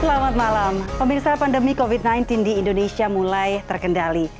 selamat malam pemirsa pandemi covid sembilan belas di indonesia mulai terkendali